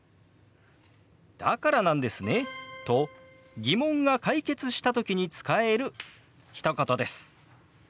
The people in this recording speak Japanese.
「だからなんですね」と疑問が解決した時に使えるひと言です。